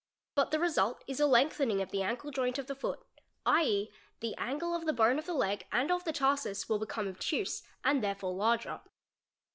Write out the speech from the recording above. But the result is a lengthening of | the ankle joint of the foot, 7.e., the angle of the bone of the leg and of the tarsus will become obtuse and therefore larger.